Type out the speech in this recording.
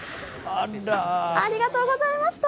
ありがとうございます。